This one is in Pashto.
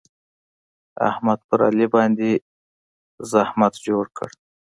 احمد پر علي باندې زحمت جوړ کړ.